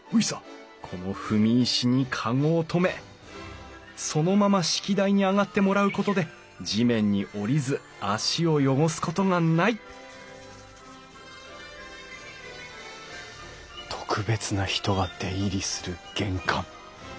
この踏み石にかごを止めそのまま式台に上がってもらうことで地面に降りず足を汚すことがない特別な人が出入りする玄関。